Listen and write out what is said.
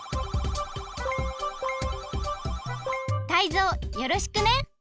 タイゾウよろしくね。